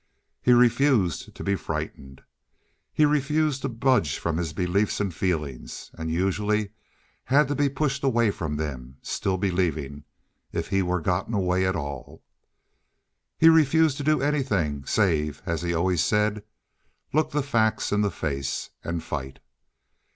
He refused to be frightened. He refused to budge from his beliefs and feelings, and usually had to be pushed away from them, still believing, if he were gotten away at all. He refused to do anything save as he always said, "Look the facts in the face" and fight.